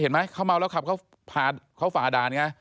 เห็นไหมเขาเมาแล้วขับเขาฝ่าด่านไง